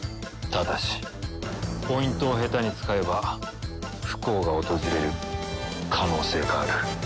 ただしポイントを下手に使えば不幸が訪れる可能性がある。